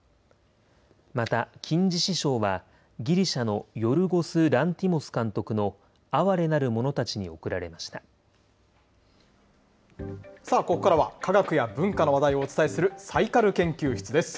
また、金獅子賞はギリシャのヨルゴス・ランティモス監督の哀れなるものさあ、ここからは、科学や文化の話題をお伝えするサイカル研究室です。